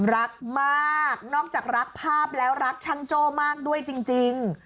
รักมากนอกจากรักภาพแล้วรักช่างโจ้มากด้วยจริง